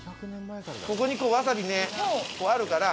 ここにわさびね、あるから。